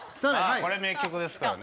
これ、名曲ですからね。